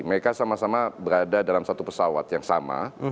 mereka sama sama berada dalam satu pesawat yang sama